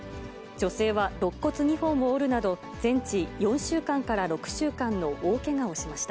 女性はろっ骨２本を折るなど、全治４週間から６週間の大けがをしました。